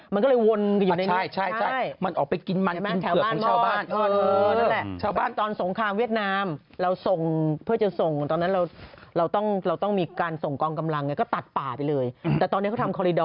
มันก็เลยวนอยู่ในนี้